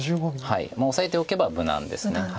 オサえておけば無難です。